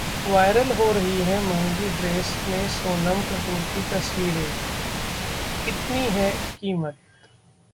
viral हो रही है महंगी ड्रेस में सोनम कपूर की तस्वीरें, इतनी है कीमत